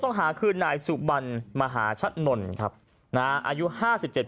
หาคือนายสุบันมหาชะนนครับนะฮะอายุห้าสิบเจ็ด